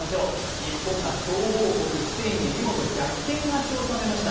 日本が強豪国スペインに見事逆転勝ちを収めました。